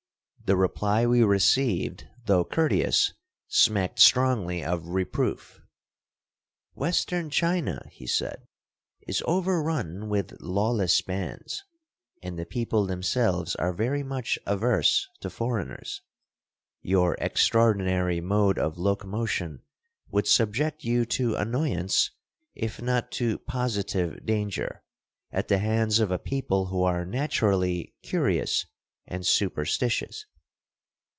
The reply we received, though courteous, smacked strongly of reproof. "Western China," he said, "is overrun with lawless bands, and the people themselves are very much averse to foreigners. Your extraordinary mode of locomotion would subject you to annoyance, if not to positive danger, at the hands of a people who are naturally curious and superstitious.